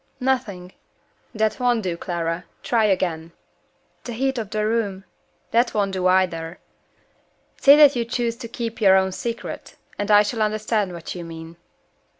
"Nothing." "That won't do, Clara. Try again." "The heat of the room " "That won't do, either. Say that you choose to keep your own secrets, and I shall understand what you mean."